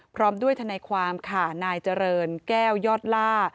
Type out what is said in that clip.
พร้อมด้วยทนายความค่ะนายเจริญแก้วยอดล่า